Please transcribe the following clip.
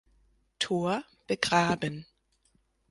Tor, begraben.